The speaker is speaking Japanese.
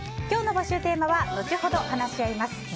今日の募集テーマは後ほど話し合います